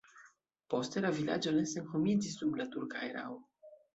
Poste la vilaĝo ne senhomiĝis dum la turka erao.